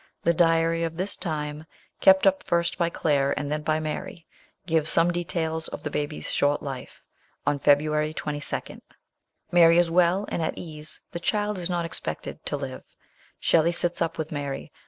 The diary of this time, kept up first by Claire, and then by Mary, gives some details of the baby's short life. On February 22 Mary is well and at ease, the child not expected to live, Shelley sits up with Mar}'.